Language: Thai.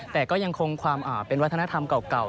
แต่ก็ยังคงความเป็นวัฒนธรรมเก่า